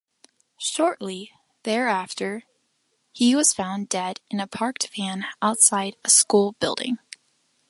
Shortly thereafter, he was found dead in a parked van outside a school building.